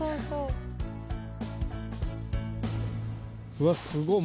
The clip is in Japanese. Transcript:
うわっすごっ！